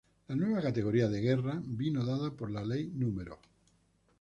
La nueva categoría de Guerra vino dada por la ley no.